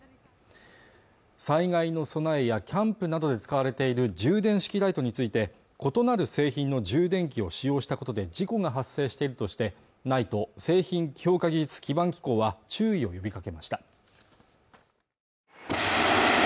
災害の備えやキャンプなどで使われている充電式ライトについて異なる製品の充電器を使用したことで事故が発生しているとしてＮＩＴＥ＝製品評価技術基盤機構は注意を呼びかけました